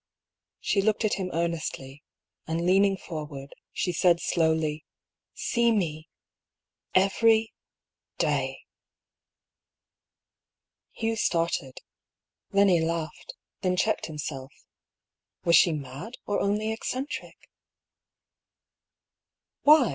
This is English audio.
She looked at him earnestly, and leaning forward she said, slowly :" See me — every — day !" Hugh started. Then he laughed, then checked him self. Was she mad, or only eccentric ?" Why